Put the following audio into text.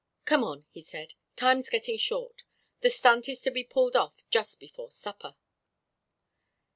"Come on," he said. "Time's gettin' short. The stunt is to be pulled off just before supper."